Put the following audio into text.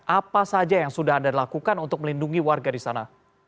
apa saja yang sudah anda lakukan untuk melindungi warga di sana